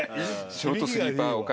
ショートスリーパー女将。